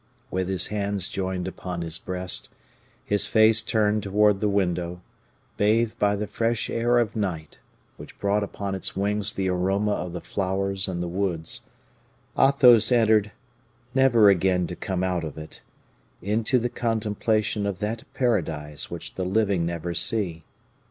With his hands joined upon his breast, his face turned towards the window, bathed by the fresh air of night, which brought upon its wings the aroma of the flowers and the woods, Athos entered, never again to come out of it, into the contemplation of that paradise which the living never see.